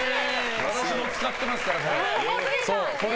私も使ってますから、これ。